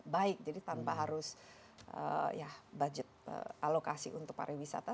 baik jadi tanpa harus ya budget alokasi untuk pariwisata